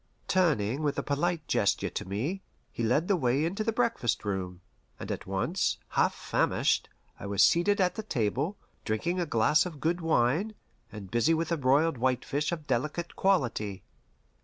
Turning with a polite gesture to me, he led the way into the breakfast room, and at once, half famished, I was seated at the table, drinking a glass of good wine, and busy with a broiled whitefish of delicate quality.